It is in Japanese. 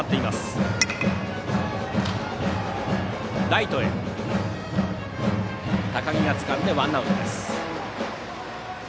ライトの高木がつかんでワンアウト。